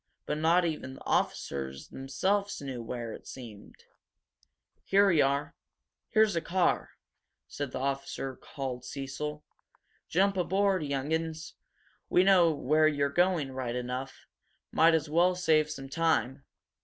But not even the officers themselves knew where, it seemed. "Here we are here's a car!" said the officer called Cecil. "Jump aboard, young 'uns! We know where you're going, right enough. Might as well save some time."